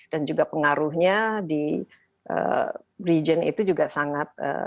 dan juga pengaruhnya di region itu juga sangat